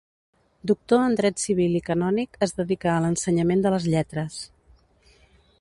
Doctor en dret civil i canònic, es dedicà a l'ensenyament de les lletres.